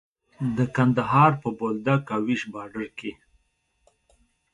د کندهار په بولدک او ويش باډر کې.